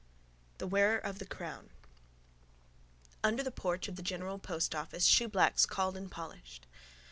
THE WEARER OF THE CROWN Under the porch of the general post office shoeblacks called and polished.